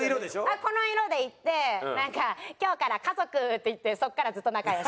あっこの色で行ってなんか「今日から家族」って言ってそっからずっと仲良し。